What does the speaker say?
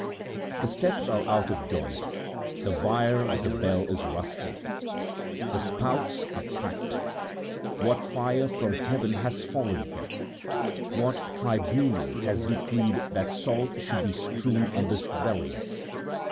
The steps are out of joint, the wire of the bell is rusted, the spouts are cracked. What fire from heaven has fallen here? What tribunal has decreed that salt should be strewn on this dwelling?